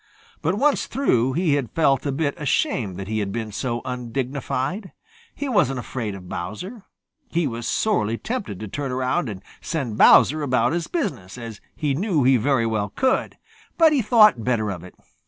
But once through, he had felt a bit ashamed that he had been so undignified. He wasn't afraid of Bowser. He was sorely tempted to turn around and send Bowser about his business, as he knew he very well could. But he thought better of it.